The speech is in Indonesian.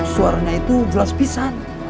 suaranya itu jelas pisah